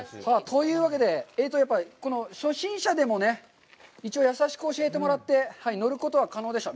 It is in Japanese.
というわけで、初心者でも一応優しく教えてもらって乗ることは可能でした。